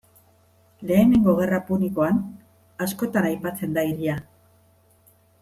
Lehenengo Gerra Punikoan askotan aipatzen da hiria.